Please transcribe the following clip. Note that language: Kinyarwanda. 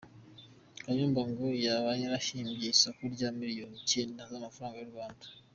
Kayumba ngo yaba yarahimbye isoko rya miliyoni icyenda z’amafaranga y’u Rwanda.